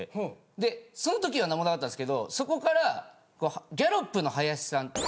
でその時は何もなかったんですけどそこからギャロップの林さん